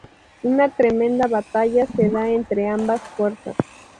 Una tremenda batalla se da entre ambas fuerzas.